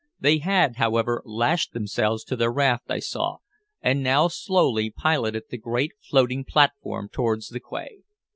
They had, however, lashed themselves to their raft, I saw, and now slowly piloted the great floating platform towards the quay.